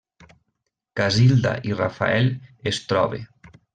Casilda i Rafael es trobe.